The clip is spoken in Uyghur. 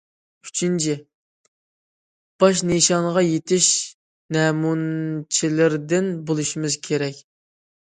ئۈچىنچى، باش نىشانغا يېتىش نەمۇنىچىلىرىدىن بولۇشىمىز كېرەك.